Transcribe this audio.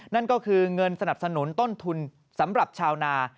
นั่นก็คือเงินสนับสนุนต้นทุนสำหรับชาวนา